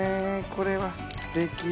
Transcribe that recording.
これはすてき。